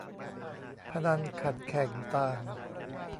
พนันขันแข่งต่าง